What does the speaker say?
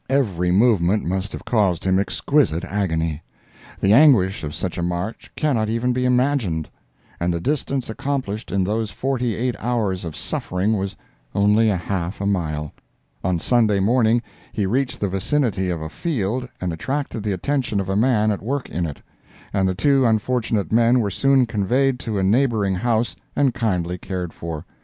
Every movement must have caused him exquisite agony; the anguish of such a march cannot even be imagined. And the distance accomplished in those forty eight hours of suffering was only half a mile. On Sunday morning he reached the vicinity of a field and attracted the attention of a man at work in it, and the two unfortunate men were soon conveyed to a neighboring house, and kindly cared for.